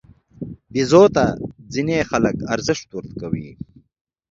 بیزو ته ځینې خلک ارزښت ورکوي.